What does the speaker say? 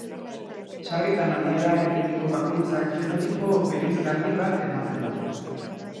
Sarritan, aldaera genetiko bakoitzak fenotipo bereizgarri bat ematen du.